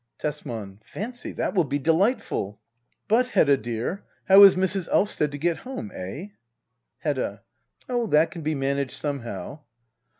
Tesman. Fancy — that will be delightful. But, Hedda dear^ how is Mrs. Elvsted to get home ? £h ? Hedda. Oh> that can be managed somehow.